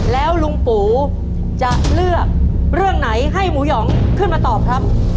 แล้วลุงปูจะเลือกเรื่องไหนให้หมูหยองขึ้นมาตอบครับ